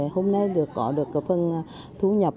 hôm nay có được phần thu nhập